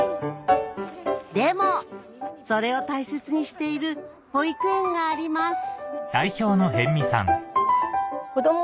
でもそれを大切にしている保育園があります